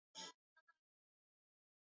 haswa kwa wale waishio katika maeneo